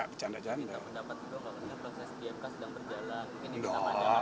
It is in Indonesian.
kita mendapat juga kalau proses dmk sedang berjalan